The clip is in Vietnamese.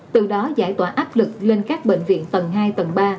từ đó giải tỏa áp lực lên các bệnh viện tầng hai tầng ba